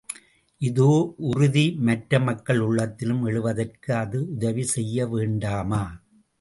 இதே உறுதி மற்ற மக்கள் உள்ளத்திலும் எழுவதற்கு அது உதவி செய்ய வேண்டாமா?